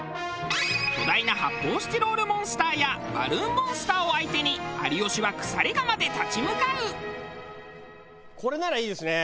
巨大な発泡スチロールモンスターやバルーンモンスターを相手にこれならいいですね。